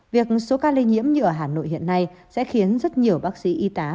việc số ca lây nhiễm như ở hà nội hiện nay sẽ khiến rất nhiều bác sĩ y tá